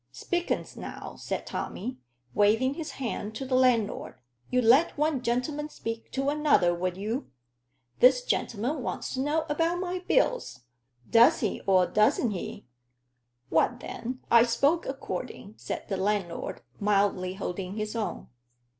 "Spilkins, now," said Tommy, waving his hand to the landlord, "you let one gentelman speak to another, will you? This genelman wants to know about my bills. Does he, or doesn't he?" "What then? I spoke according," said the landlord, mildly holding his own.